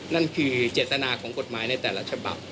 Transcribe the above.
นั่นคือเจตนาของกฎหมายในแต่ละฉบับ